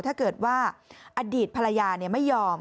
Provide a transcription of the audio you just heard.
ถ้าเกิดว่าอดีตภรรยาไม่ยอม